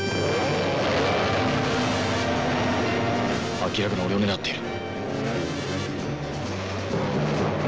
明らかに俺を狙っている。